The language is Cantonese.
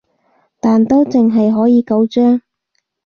但都淨係可以九張